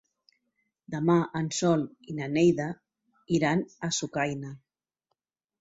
Demà en Sol i na Neida iran a Sucaina.